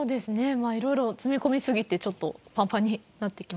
まあ色々詰め込みすぎてちょっとパンパンになってきました。